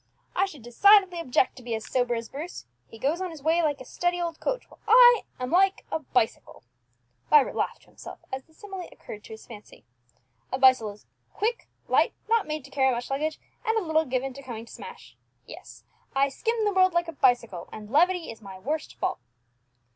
I should decidedly object to be as sober as Bruce. He goes on his way like a steady old coach, while I am like a bicycle," Vibert laughed to himself as the simile occurred to his fancy. "A bicycle is quick, light, not made to carry much luggage, and a little given to coming to smash! Yes, I skim the world like a bicycle, and levity is my worst fault!"